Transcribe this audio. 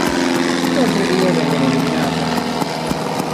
Le altre due vengono eliminate.